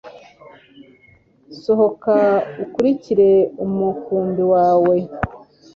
sohoka ukurikire umukumbi wawe